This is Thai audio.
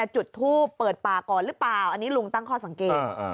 จุดทูปเปิดป่าก่อนหรือเปล่าอันนี้ลุงตั้งข้อสังเกต